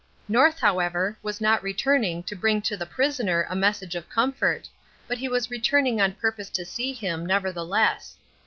North, however, was not returning to bring to the prisoner a message of comfort, but he was returning on purpose to see him, nevertheless.